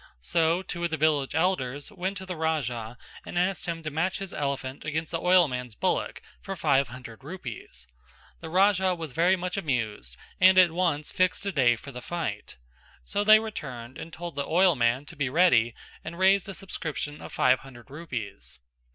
So two of the village elders went to the Raja and asked him to match his elephant against the oilman's bullock for five hundred rupees; the Raja was very much amused and at once fixed a day for the fight. So they returned and told the oilman to be ready and raised a subscription of five hundred rupees.